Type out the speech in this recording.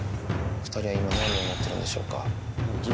２人は今何を思ってるんでしょうか。